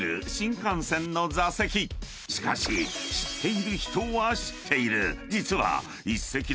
［しかし知っている人は知っている］